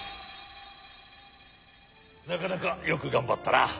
なかなかよくがんばったな。